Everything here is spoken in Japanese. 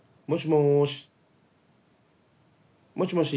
もしもし？